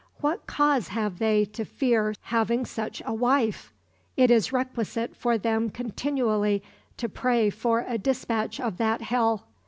What cause have they to fear having such a wife! It is requisite for them continually to pray for a dispatch of that hell.